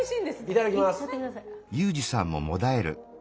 いただきます。